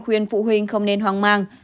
khuyên phụ huynh không nên hoang mang